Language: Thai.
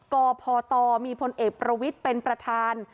กพตมีพลเอกประวิทย์เป็นประธาน